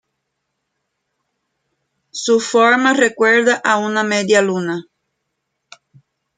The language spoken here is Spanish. Su forma recuerda a una media luna.